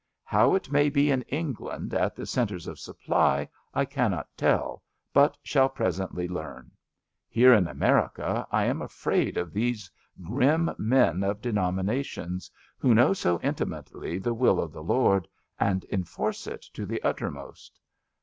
How it may be in England at the centres of supply I cannot tell, but shall presently learn. Here in America I am afraid of these grim men of denominations, who know so intimately the will of the Lord and enforce it to the uttermost.